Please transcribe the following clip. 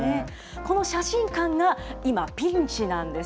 この写真館が今、ピンチなんです。